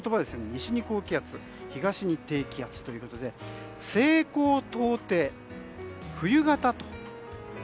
西に高気圧、東に低気圧。ということで西高東低、冬型と。